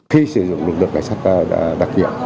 khi sử dụng lực lượng cảnh sát đặc biệt